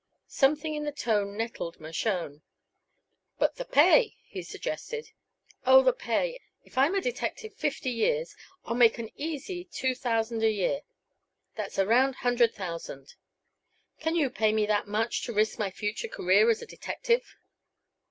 Something in the tone nettled Mershone. "But the pay," he suggested. "Oh, the pay. If I'm a detective fifty years, I'll make an easy two thousand a year. That's a round hundred thousand. Can you pay me that much to risk my future career as a detective?"